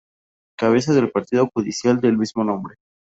Cabeza del partido judicial del mismo nombre.